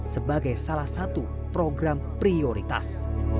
sebagai salah satu program prioritas